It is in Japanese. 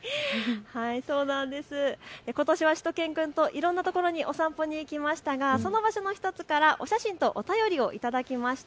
ことしはしゅと犬くんといろんなところにお散歩に行きましたが、その場所の１つからを写真とお便りを頂きました。